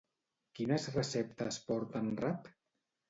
Quines receptes porten rap?